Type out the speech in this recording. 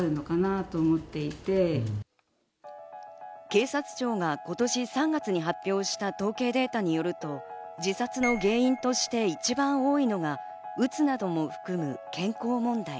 警察庁が今年３月に発表した統計データによると、自殺の原因として一番多いのがうつなども含む健康問題。